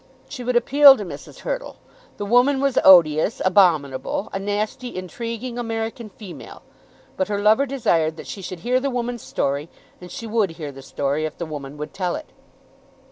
She would appeal to Mrs. Hurtle. The woman was odious, abominable, a nasty intriguing American female. But her lover desired that she should hear the woman's story; and she would hear the story, if the woman would tell it.